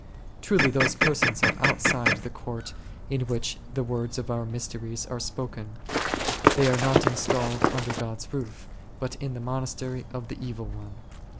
Truly those persons are outside the Court in which the words of our mysteries are spoken ; they are not installed under God's roof, but in the monastery of the Evil One.